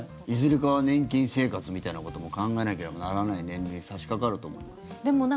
いずれかは年金生活みたいなことも考えなければならない年齢に差しかかると思います。